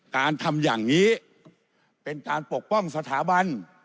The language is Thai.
การทำอย่างนี้เป็นการปกป้องสถาบัน